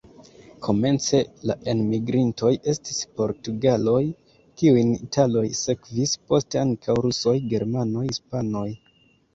Komence la enmigrintoj estis portugaloj, kiujn italoj sekvis, poste ankaŭ rusoj, germanoj, hispanoj.